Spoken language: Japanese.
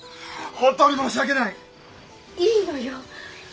本当に申し訳ない！いいのよ。